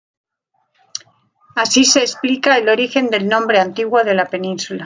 Así se explica el origen del nombre antiguo de la península.